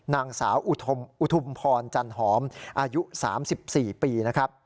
นางสาวอุทุมพรจันหอมอายุ๓๔ปีนะครับ